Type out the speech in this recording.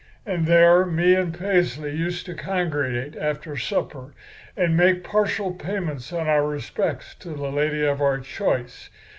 And there me and Paisley used to congregate after supper and make partial payments on our respects to the lady of our choice.